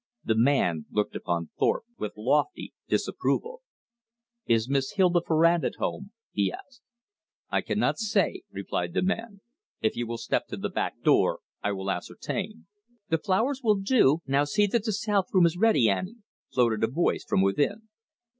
This man looked upon Thorpe with lofty disapproval. "Is Miss Hilda Farrand at home?" he asked. "I cannot say," replied the man. "If you will step to the back door, I will ascertain." "The flowers will do. Now see that the south room is ready, Annie," floated a voice from within.